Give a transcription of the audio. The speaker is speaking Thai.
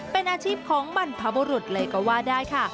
เป็นอาชีพของบรรพบุรุษเลยก็ว่าได้ค่ะ